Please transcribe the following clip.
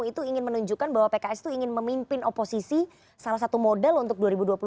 itu ingin menunjukkan bahwa pks itu ingin memimpin oposisi salah satu modal untuk dua ribu dua puluh empat